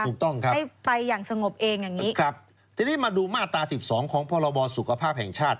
ถูกต้องครับครับทีนี้มาดูมาตรา๑๒ของพบสุขภาพแห่งชาติ